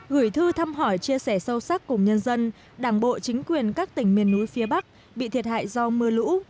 gửi thư thăm hỏi chia sẻ sâu sắc cùng nhân dân đảng bộ chính quyền các tỉnh miền núi phía bắc bị thiệt hại do mưa lũ